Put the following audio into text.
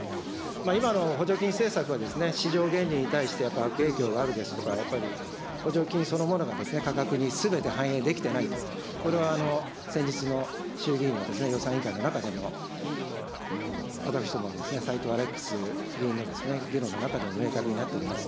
今の補助金政策は市場原理に対してやっぱり悪影響があるですとか、やっぱり補助金そのものが価格にすべて反映できていないと、これは先日の衆議院の予算委員会の中でも私どもの斎藤アレックス議員の議論の中でも明確になっております。